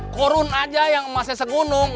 korun aja yang emasnya segunung